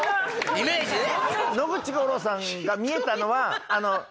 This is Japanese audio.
イメージね。